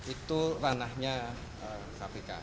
itu ranahnya kpk